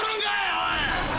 おい！